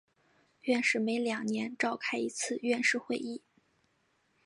院士每两年召开一次院士会议。